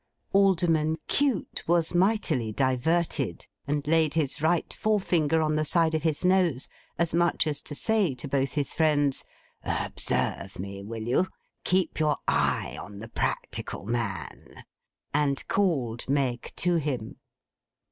Alderman Cute was mightily diverted, and laid his right forefinger on the side of his nose, as much as to say to both his friends, 'Observe me, will you! Keep your eye on the practical man!'—and called Meg to him.